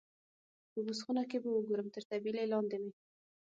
په بوس خونه کې به وګورم، تر طبیلې لاندې مې.